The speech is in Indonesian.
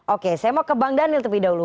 oke saya mau ke bang daniel terlebih dahulu